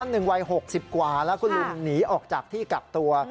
หนึ่งวัย๖๐กว่าแล้วคุณลุงหนีออกจากที่กักตัว